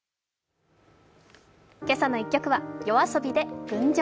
「けさの１曲」はＹＯＡＳＯＢＩで「群青」。